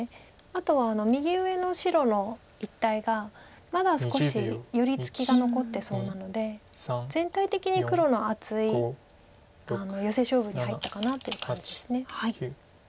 あとは右上の白の一帯がまだ少し寄り付きが残ってそうなので全体的に黒の厚いヨセ勝負に入ったかなという感じです。